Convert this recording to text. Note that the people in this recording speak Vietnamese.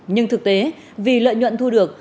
nhưng thực tế vì lợi nhuận thu được